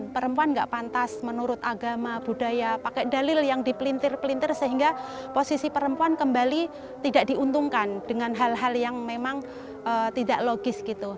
perempuan gak pantas menurut agama budaya pakai dalil yang dipelintir pelintir sehingga posisi perempuan kembali tidak diuntungkan dengan hal hal yang memang tidak logis gitu